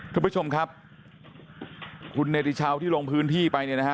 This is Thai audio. คุณผู้ชมครับคุณเนติชาวที่ลงพื้นที่ไปเนี่ยนะฮะ